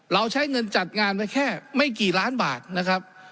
ใช้เงินจัดงานไว้แค่ไม่กี่ล้านบาทนะครับ